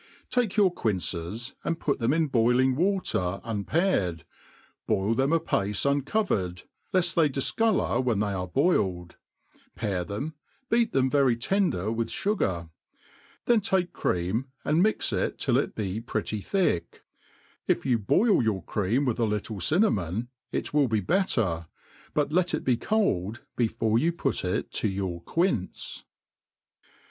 TAKE your quinces^ and put them in boiling water un* pared, boil them apace uncovered, left they dlTcolour when they are boikd, pare themi beat them very tender with fugar ; then ^ake cr^m, and mijic it till it be pretty thick j if yQu boil youJT cream with a little cinnamon, it will be better, but let it bf cold before you put h to your quince* BM dim 1 \\ 1 g76 APPENDIX TO THE ART OF COOKERY.